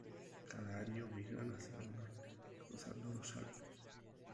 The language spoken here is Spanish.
Cada año migran hacía el norte cruzando los Alpes.